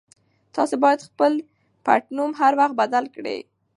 تاسي باید خپل پټنوم هر وخت بدل کړئ.